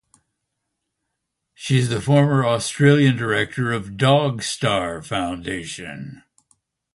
She is the former Australian Director of "Dogstar Foundation".